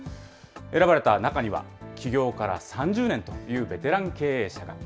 選ばれた中には、起業から３０年というベテラン経営者が。